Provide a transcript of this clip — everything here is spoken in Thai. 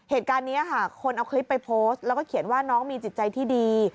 เหตุการณ์นี้ค่ะคนเอาคลิปไปโพสต์แล้วก็เขียนว่าน้องมีจิตใจที่ดี